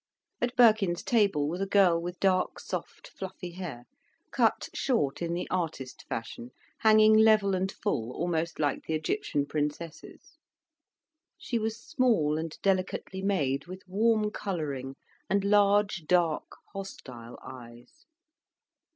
At Birkin's table was a girl with dark, soft, fluffy hair cut short in the artist fashion, hanging level and full almost like the Egyptian princess's. She was small and delicately made, with warm colouring and large, dark hostile eyes.